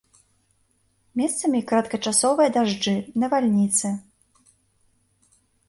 Месцамі кароткачасовыя дажджы, навальніцы.